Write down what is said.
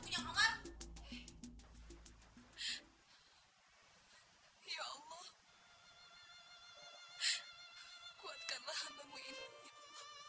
kuatkanlah namun ini